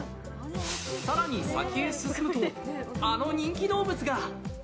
更に、先へ進むとあの人気動物が。